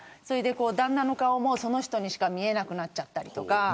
旦那の顔もその人にしか見えなくなっちゃったりとか。